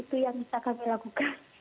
itu yang bisa kami lakukan